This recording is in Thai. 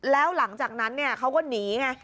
แล้วหลังจากนั้นเนี่ยเค้าก็หนีไง